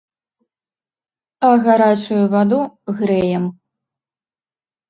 А гарачую ваду грэем.